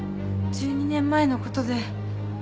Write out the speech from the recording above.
１２年前の事で。